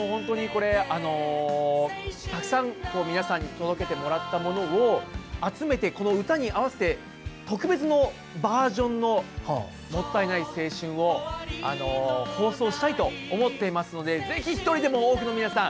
たくさん皆さんに届けてもらったものを集めてこの歌に合わせて特別のバージョンの「もったいない青春」を放送したいと思っていますのでぜひ１人でも多くの皆さん